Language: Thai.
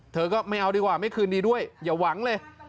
เธอก็ไม่เอาดีกว่าไม่คืนดีด้วยอย่าหวังเลย